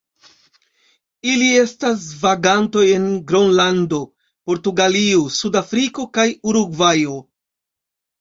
Ili estas vagantoj en Gronlando, Portugalio, Sudafriko kaj Urugvajo.